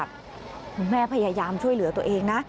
คุณแม่พยายามช่วยเหลือตัวเองนะ